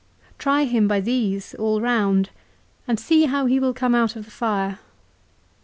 Try him by these all round and see how he will come out of the fire.